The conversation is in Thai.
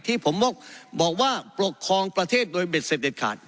ที่ผมบอกว่าปกครองประเทศโดยเด็ดเสร็จเด็ดขาด